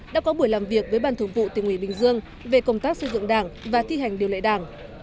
đã có buổi làm việc với ban thường vụ tỉnh ủy bình dương về công tác xây dựng đảng và thi hành điều lệ đảng